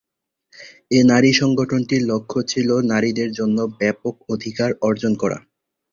এ নারী সংগঠনটির লক্ষ্য ছিল নারীদের জন্য ব্যাপক অধিকার অর্জন করা।